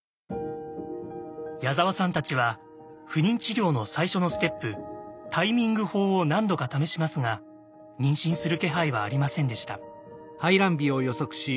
矢沢さんたちは不妊治療の最初のステップタイミング法を何度か試しますが妊娠する気配はありませんでした。